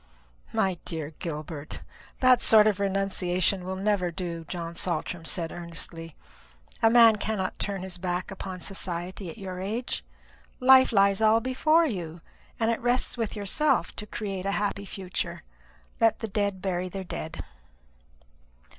"My dear Gilbert, that sort of renunciation will never do," John Saltram said earnestly. "A man cannot turn his back upon society at your age. Life lies all before you, and it rests with yourself to create a happy future. Let the dead bury their dead."